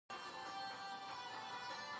هغه وايي، ژمنې باید معقولې وي.